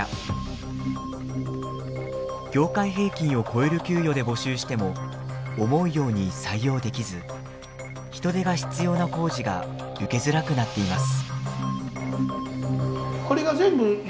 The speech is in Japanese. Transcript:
業界平均を超える給与で募集しても思うように採用できず人手が必要な工事が受けづらくなっています。